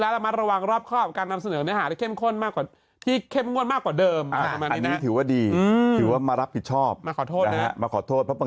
และระมัดระวังรอบครอบการนำเสนอในหาวิทยาลัยเข้มข้นมากกว่า